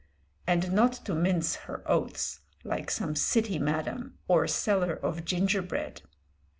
and not to mince her oaths like some city madam or seller of gingerbread.